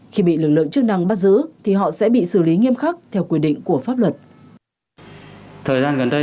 khi bị lực lượng chức năng bắt giữ thì họ sẽ bị xử lý nghiêm khắc theo quy định của pháp luật